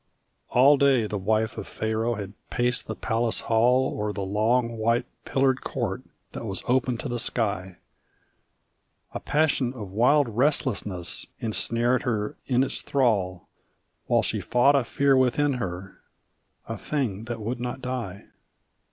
All day the wife of Pharaoh had paced the palace hall Or the long white pillared court that was open to the sky; A passion of wild restlessness ensnared her in its thrall While she fought a fear within her a thing that would not die.